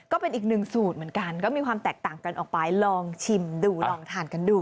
ก็เป็นอีกหนึ่งสูตรเหมือนกันก็มีความแตกต่างกันออกไปลองชิมดูลองทานกันดู